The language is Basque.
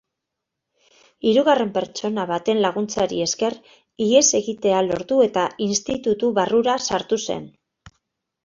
Hirugarren pertsona baten laguntzari esker ihes egitea lortu eta institutu barrura sartu zen.